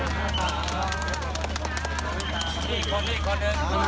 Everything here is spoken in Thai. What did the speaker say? ขอบคุณค่ะ